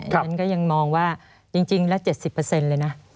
ฉันก็ยังมองว่าจริงแล้ว๗๐เลยนะ